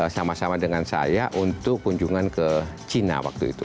sama sama dengan saya untuk kunjungan ke cina waktu itu